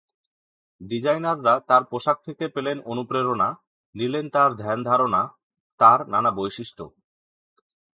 ডিজাইনাররা তাঁর পোশাক থেকে পেলেন অনুপ্রেরণা, নিলেন তাঁর ধ্যান–ধারনা, তাঁর নানা বৈশিষ্ট্য।